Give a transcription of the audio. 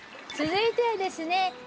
続いてはですね